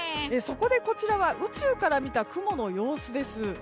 そこでこちらは宇宙から見た雲の様子です。